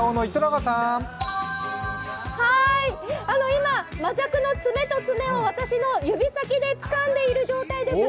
今、マジャクの爪と爪を私の指先でつかんでいる状態です。